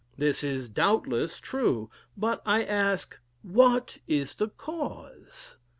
This is, doubtless, true: but I ask, what is the cause?